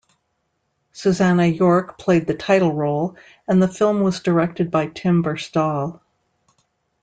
Susannah York played the title role, and the film was directed by Tim Burstall.